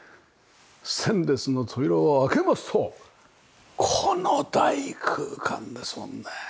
ステンレスの扉を開けますとこの大空間ですもんね。